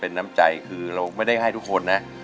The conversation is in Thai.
เป็นน้ำใจคือเราไม่ได้ให้ทุกคนนะ